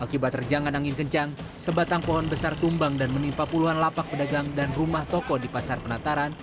akibat terjangan angin kencang sebatang pohon besar tumbang dan menimpa puluhan lapak pedagang dan rumah toko di pasar penataran